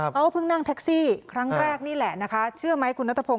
เขาเพิ่งนั่งแท็กซี่ครั้งแรกนี่แหละนะคะเชื่อไหมคุณนัทพงศ